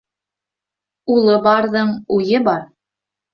Улы барҙың уйы бар.